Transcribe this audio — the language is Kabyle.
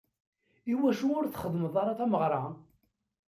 Iwacu ur txeddmeḍ ara tameɣra?